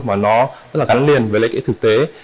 mà nó rất là gắn liền với lĩnh vực thực tế